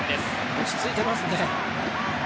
落ち着いていますね。